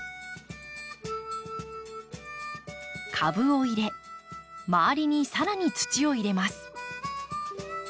株を入れ周りに更に土を入れます。